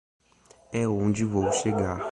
É onde vou chegar.